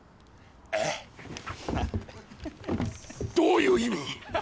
ああどういう意味？